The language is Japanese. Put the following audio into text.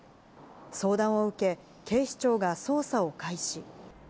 相談を受け、警視庁が捜査を開始。